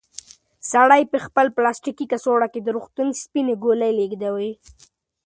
سړي په خپل پلاستیکي کڅوړه کې د روغتون سپینې ګولۍ لېږدولې.